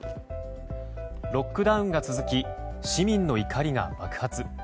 ロックダウンが続き市民の怒りが爆発。